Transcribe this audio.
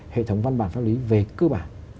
hệ thống văn bản pháp lý về cơ bản